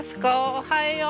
おはよう。